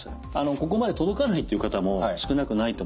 ここまで届かないっていう方も少なくないと思います。